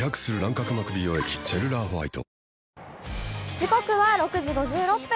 時刻は６時５６分。